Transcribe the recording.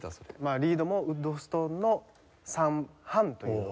リードもウッドストーンの３半というのを使っています。